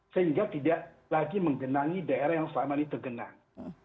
sehingga tidak lagi menggenangi daerah yang selama ini tergenang